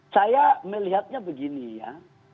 saya melihatnya begini ya